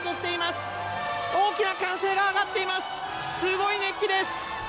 すごい熱気です。